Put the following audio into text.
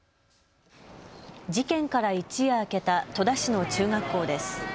事件から一夜明けた戸田市の中学校です。